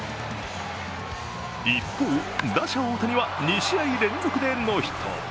一方、打者・大谷は２試合連続でノーヒット。